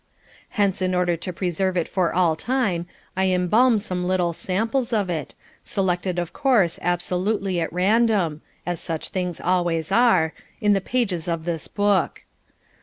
Hence in order to preserve it for all time I embalm some little samples of it, selected of course absolutely at random, as such things always are in the pages of this book.